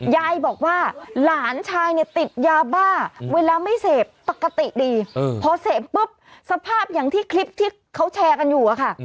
ยายบอกว่าหลานชายเนี่ยติดยาบ้าเวลาไม่เสพปกติดีพอเสพปุ๊บสภาพอย่างที่คลิปที่เขาแชร์กันอยู่อะค่ะ